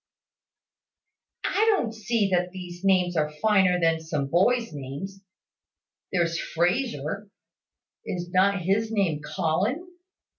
"I don't see that these names are finer than some boys' names. There's Frazer, is not his name Colin?